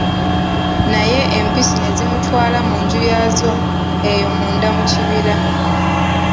Naye Empisi ne zimutwala mu nju yaazo eyo munda mu kibira.